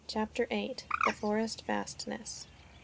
Chapter 8: The Forest Fastness.